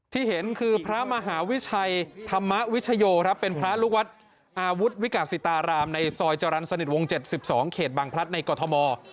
ที่เห็นคือพระมหาวิชัยธรรมวิชโยครับเป็นพระลูกวัดอาวุธวิกาศิตารามในซอยจรรย์สนิทวง๗๒เขตบางพลัดในกรทม